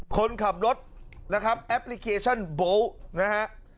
คนขับรถแอปพลิเคชันโบ๊ทนะครับ